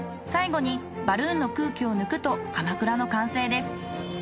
最後にバルーンの空気を抜くとかまくらの完成です。